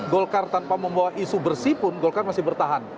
golkar tanpa membawa isu bersih pun golkar masih bertahan